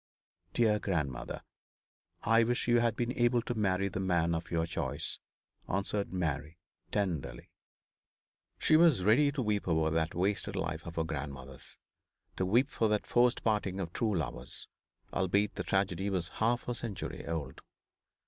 'Dear grandmother, I wish you had been able to marry the man of your choice,' answered Mary, tenderly. She was ready to weep over that wasted life of her grandmother's; to weep for that forced parting of true lovers, albeit the tragedy was half a century old.